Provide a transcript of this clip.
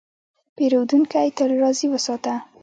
پیرودونکی تل راضي وساته.